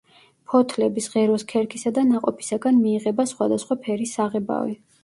ფოთლების, ღეროს ქერქისა და ნაყოფისაგან მიიღება სხვადასხვა ფერის საღებავი.